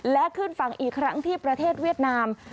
และขึ้นฝั่งอีกครั้งที่ประเทศเวียดนาม